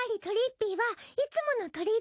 ぴいはいつものとりっ